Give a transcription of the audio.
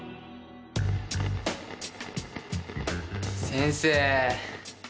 先生。